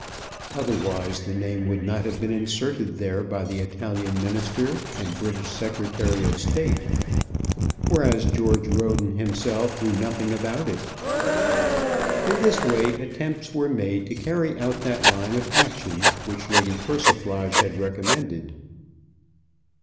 Otherwise the name would not have been inserted there by the Italian Minister and British Secretary of State. Whereas George Roden himself knew nothing about it. In this way attempts were made to carry out that line of action which Lady Persiflage had recommended.